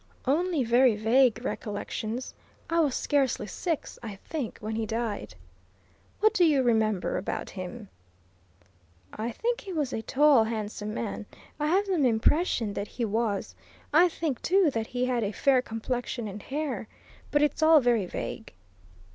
"Only very vague recollections. I was scarcely six, I think, when he died." "What do you remember about him?" "I think he was a tall, handsome man I have some impression that he was. I think, too, that he had a fair complexion and hair. But it's all very vague."